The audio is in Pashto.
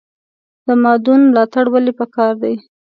د مادون ملاتړ ولې پکار دی؟